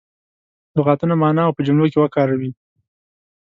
لغتونه معنا او په جملو کې وکاروي.